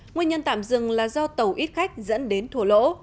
nguyên nhân tạm dừng là do tàu ít khách dẫn đến thùa lỗ